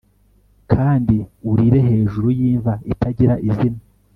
Kandi urire hejuru yimva itagira izina